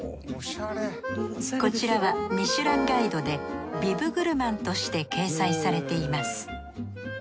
こちらは「ミシュランガイド」でビブグルマンとして掲載されています。